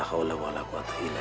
tolong bapak saya kerasukan